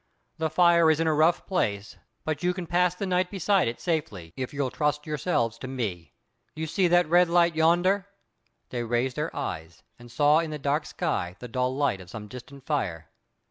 The fire is in a rough place, but you can pass the night beside it safely, if you'll trust yourselves to me. You see that red light yonder?" They raised their eyes, and saw in the dark sky the dull light of some distant fire.